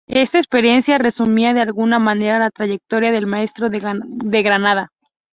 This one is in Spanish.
Esta experiencia resumía de alguna manera la trayectoria del maestro de Granada.